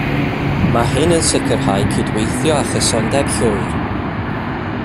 Mae hyn yn sicrhau cydweithio a chysondeb llwyr.